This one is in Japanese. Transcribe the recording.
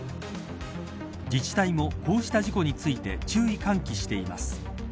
自治体もこうした事故について注意喚起しています。